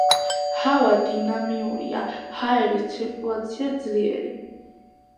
ჰავა დინამიურია, ჰაერის ცირკულაცია ძლიერი.